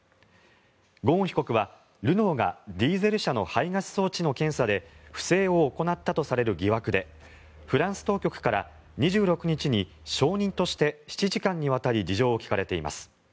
ゴーン被告はルノーがディーゼル車の排ガス装置の検査で不正を行ったとされる疑惑でフランス当局から２６日に証人として７時間にわたり事情を聴かれています。